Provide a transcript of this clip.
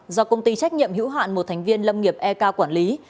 do công ty trách nhiệm hữu hạn một thành viên lâm nghiệp ek quản lý